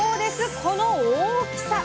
この大きさ！